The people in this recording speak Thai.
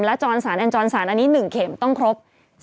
จรสารแอนจรสารอันนี้๑เข็มต้องครบ